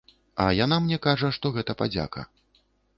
А яна мне кажа, што гэта падзяка.